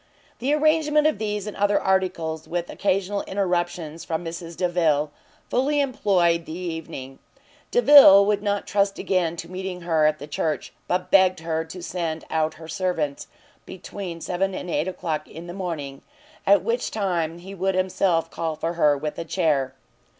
The arrangement of these and other articles, with occasional interruptions from Mrs Delvile, fully employed the evening. Delvile would not trust again to meeting her at the church; but begged her to send out her servants between seven and eight o'clock in the morning, at which time he would himself call for her with a chair.